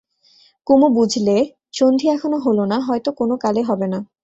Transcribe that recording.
কুমু বুঝলে, সন্ধি এখনো হল না, হয়তো কোনো কালে হবে না।